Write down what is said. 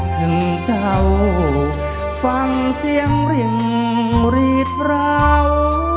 ถึงเถาฟังเสียงเรียงรีดราว